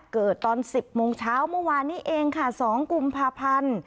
ตอน๑๐โมงเช้าเมื่อวานนี้เองค่ะ๒กุมภาพันธ์